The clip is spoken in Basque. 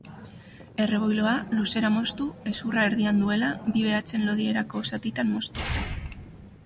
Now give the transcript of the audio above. Erreboiloa luzera moztu, hezurra erdian duela, bi behatzen lodierako zatitan moztu.